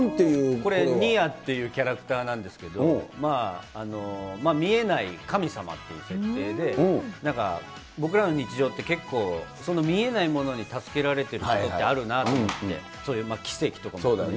これ、っていうキャラクターなんですけど、見えない神様っていう設定で、なんか、僕らの日常って、結構、その見えないものに助けられてることってあるなあって思って、そうだよね。